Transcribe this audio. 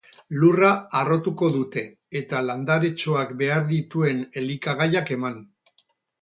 Lurra harrotuko dute, eta landaretxoak behar dituen elikagaiak eman.